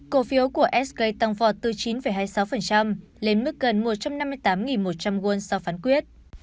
cổ phiếu của sg tăng vọt từ chín hai mươi sáu lên mức gần một trăm năm mươi tám một trăm linh won sau phán quyết